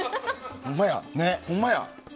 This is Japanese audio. ほんまや。